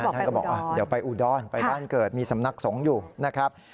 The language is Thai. ท่านก็บอกเดี๋ยวไปอุดรไปบ้านเกิดมีสำนักสงฆ์อยู่นะครับ